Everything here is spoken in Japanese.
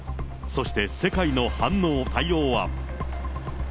そして、世界の反応、対応は。